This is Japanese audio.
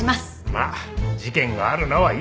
まあ事件があるのはいい事だ。